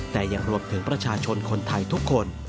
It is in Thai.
แต่ยังรวมถึงประชาชนคนไทยทุกคน